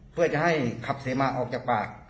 เพื่อจะให้ขับเสมะออกจากปาก